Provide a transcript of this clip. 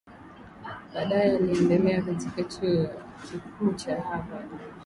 Baadae aliendelea katika chuo kikuu cha Harvard